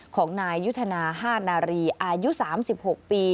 ของนายยุทธนา๕นารีอายุ๓๖ปี